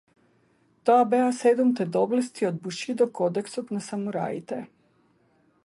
Тоа беа седумте доблести од бушидо кодексот на самураите.